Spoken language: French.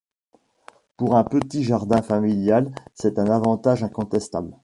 Pour un petit jardin familial c'est un avantage incontestable.